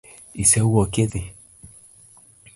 Isewuok idhi?